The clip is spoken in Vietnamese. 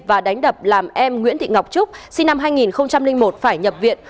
và đánh đập làm em nguyễn thị ngọc trúc sinh năm hai nghìn một phải nhập viện